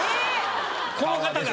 この方が？